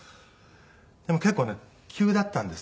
でも結構ね急だったんです。